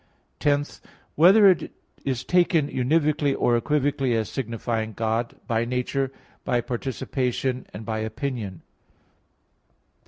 (10) Whether it is taken univocally or equivocally as signifying God, by nature, by participation, and by opinion?